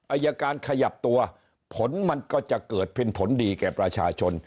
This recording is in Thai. อายการขยับตัวผลมันก็จะเกิดเป็นผลดีแก่ประชาชน